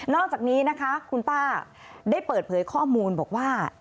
อกจากนี้นะคะคุณป้าได้เปิดเผยข้อมูลบอกว่า